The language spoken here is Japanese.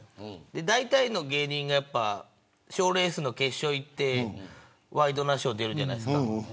だいたいの芸人が賞レースの決勝に行ってワイドナショー出るじゃないですか。